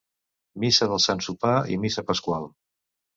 Missa del sant sopar i missa pasqual.